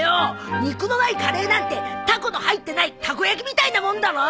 肉のないカレーなんてタコの入ってないたこ焼きみたいなもんだろ！